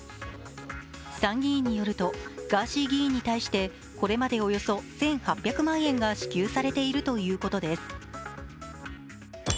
参議院によるとガーシー議員に対して、これまでおよそ１８００万円が支給されているということです。